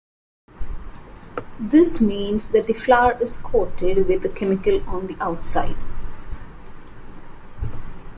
This means that the flower is coated with a chemical on the outside.